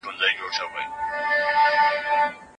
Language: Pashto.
ښه کار خوښي راولي